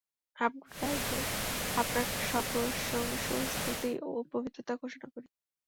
আমরাই তো আপনার সপ্রশংস স্তুতি ও পবিত্রতা ঘোষণা করি।